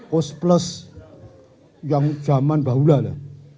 host plus yang zaman baula lah